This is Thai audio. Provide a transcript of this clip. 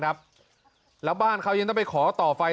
แล้วบ้านเขายังต้องไปขอต่อไฟ